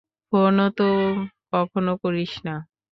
ফোনও তো কখনো করিস না।